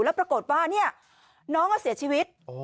แล้วปรากฏว่าน้องอะเสียชีวิต